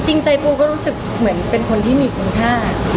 จริงใจปูก็รู้สึกเหมือนเป็นคนที่มีคุณค่า